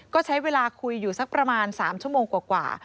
ก็ใช้เวลาคุยอยู่สักประมาณ๓ชั่วโมงกว่า